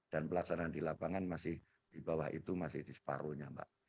dan pelaksanaan di lapangan masih di bawah itu masih di separohnya mbak